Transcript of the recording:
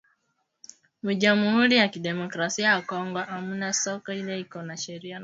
Mu jamhuri ya kidemocrasia ya kongo amuna soko ile iko na sheria